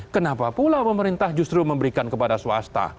kenapa pula pemerintah justru memberikan kepada swasta